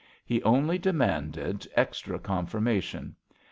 He only demanded extra confirma tion.